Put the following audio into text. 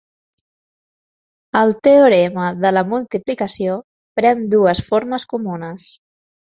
El teorema de la multiplicació pren dues formes comunes.